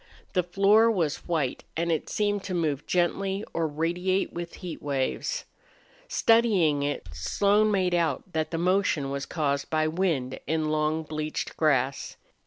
The floor was white, and it seemed to move gently or radiate with heat waves. Studying it, Slone made out that the motion was caused by wind in long bleached grass.